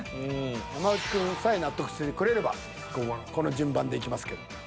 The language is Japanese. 山内くんさえ納得してくれればこの順番でいきますけど。